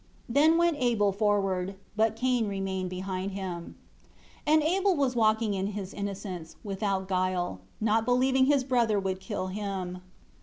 3 Then went Abel forward, but Cain remained behind him. 4 And Abel was walking in his innocence, without guile; not believing his brother would kill him.